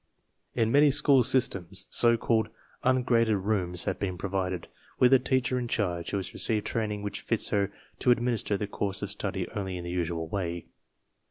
In many school systems so called Un graded Rooms have been provided, with a teacher in charge who has received training which fits her to ad minister the course of study only in the usual way.